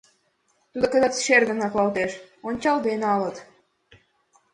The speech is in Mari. Тудо кызыт шергын аклалтеш, ончалде налыт.